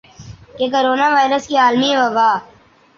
کہ corona virus کی عالمی وبا